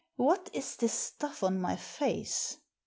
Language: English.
What is this stuff on my face